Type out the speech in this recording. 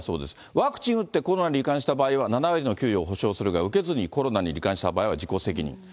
ワクチン打って、コロナにり患した場合は、７割の給与を補償するが、受けずにコロナにり患した場合は自己責任。